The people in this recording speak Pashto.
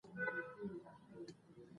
زه پر ځان قناعت لرم.